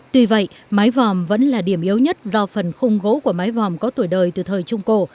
tuy vậy mái vòm vẫn là điểm yếu nhất do phần khung gỗ của mái vòm có tuổi đời từ thời trung cổ